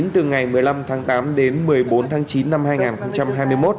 từ ngày một mươi năm tháng tám đến một mươi bốn tháng chín năm hai nghìn hai mươi một